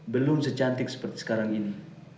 belum secantik seperti sekarang ini